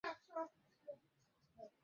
Frank আবার কোথায় গেলো?